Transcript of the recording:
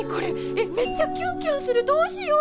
えっめっちゃキュンキュンするどうしよう！